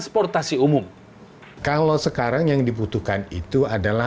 penggunaan angkutan umum di jabodetabek